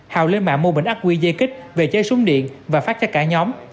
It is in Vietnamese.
hào lên mạng mua bình ác quy dây kích về chế súng điện và phát cho cả nhóm